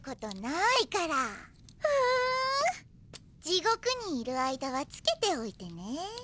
地獄にいる間はつけておいてね。